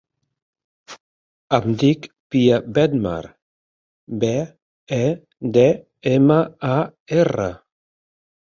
Em dic Pia Bedmar: be, e, de, ema, a, erra.